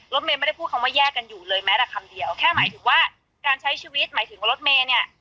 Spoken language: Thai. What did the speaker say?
เมย์ไม่ได้พูดคำว่าแยกกันอยู่เลยแม้แต่คำเดียวแค่หมายถึงว่าการใช้ชีวิตหมายถึงว่ารถเมย์เนี่ย